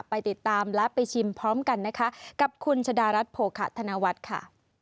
ไปติดตามและไปชิมพร้อมกันนะคะกับคุณชะดารัฐโภคะธนวัฒน์ค่ะ